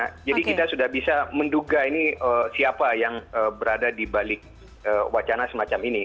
nah jadi kita sudah bisa menduga ini siapa yang berada di balik wacana semacam ini